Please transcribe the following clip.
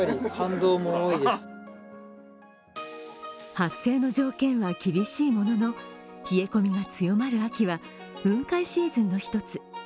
発生の条件は厳しいものの冷え込みが強まる秋は雲海シーズンの１つ。